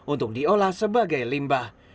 untuk diolah sebagai limbah